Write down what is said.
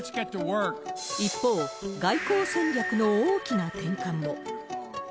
一方、外交戦略の大きな転換も。